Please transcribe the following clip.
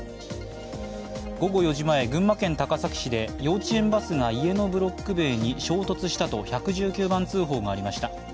午後４時前、群馬県高崎市で幼稚園バスが家のブロック塀に衝突したと１１９番通報がありました。